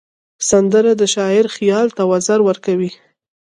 سندره د شاعر خیال ته وزر ورکوي